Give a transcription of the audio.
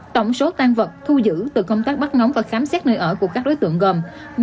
tổng số tan vật thu giữ từ công tác bắt ngóng và khám xét nơi ở của các đối tượng gồm